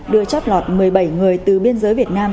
đưa chót lọt một mươi bảy người từ biên giới việt nam